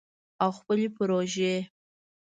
او خپلې پروژې